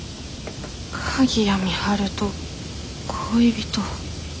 鍵谷美晴と恋人。